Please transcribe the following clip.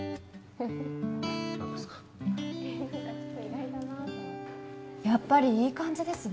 何ですかやっぱりいい感じですね